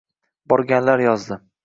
- borganlar yozdi.